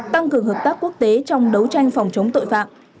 tăng cường hợp tác quốc tế trong đấu tranh phòng chống tội phạm